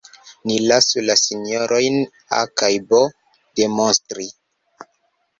Ni lasu la sinjorojn A kaj B demonstri.